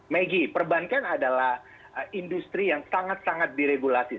maggie perbankan adalah industri yang sangat sangat diregulasi